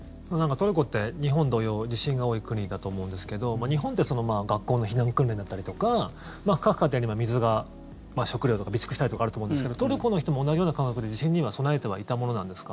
トルコって日本同様地震が多い国だと思うんですけど日本って学校の避難訓練だったりとか各家庭に水が食料とか備蓄したりとかあると思うんですけどトルコの人も同じような感覚で地震には備えてはいたものなんですか？